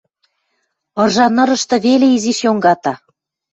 Ыржа нырышты веле изиш йонгата: